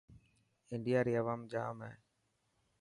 انڊيا ري اوام جام هي.